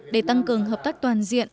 để tăng cường hợp tác toàn diện